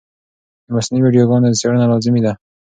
د مصنوعي ویډیوګانو څېړنه لازمي ده.